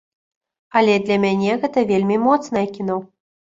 Але для мяне гэта вельмі моцнае кіно.